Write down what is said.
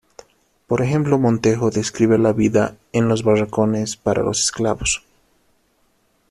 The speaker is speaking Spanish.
Por ejemplo Montejo describe la vida en los barracones para los esclavos.